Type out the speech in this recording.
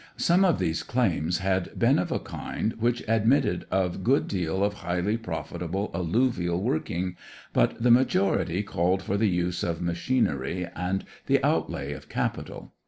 Some of these claims had been of a kind which admitted of good deal of highly profitable alluvial working but the majority called for the use of machinery and the outlay of capital.